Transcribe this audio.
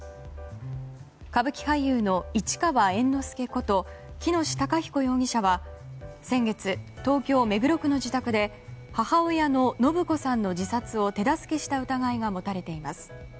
歌舞伎俳優の市川猿之助こと喜熨斗孝彦容疑者は先月、東京・目黒区の自宅で母親の延子さんの自殺を手助けした疑いが持たれています。